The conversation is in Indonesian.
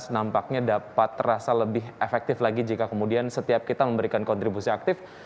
nampaknya dapat terasa lebih efektif lagi jika kemudian setiap kita memberikan kontribusi aktif